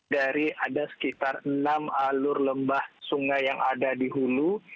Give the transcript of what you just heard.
dari ada sekitar enam alur lembah sungai yang ada di hulu